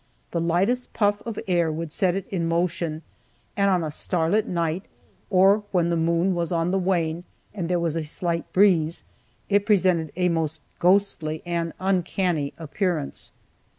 The lightest puff of air would set it in motion, and on a starlight night, or when the moon was on the wane and there was a slight breeze, it presented a most ghostly and uncanny appearance.